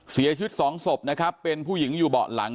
เสียชีวิตสองศพนะครับเป็นผู้หญิงอยู่เบาะหลัง